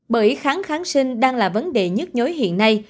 bởi kháng kháng sinh đang là vấn đề nhức nhối hiện nay